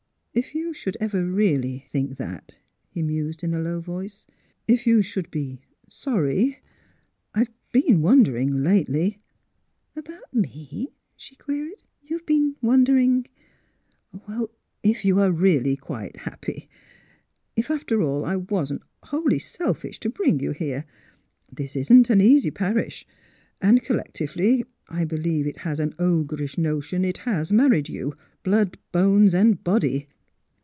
*' If you should ever really think that," he mused in a low voice. '' If you should be sorry — I've been wondering lately "" About me? " she queried. '' You've been wondering? "" If you are really quite happy. If, after all, I wasn't wholly selfish to bring you here. This isn't an easy parish; and, collectively, I believe it has an ogreish notion it has married you — ^blood, bones, and body."